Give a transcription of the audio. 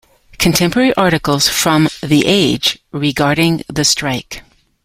Contemporary articles from "The Age" regarding the strike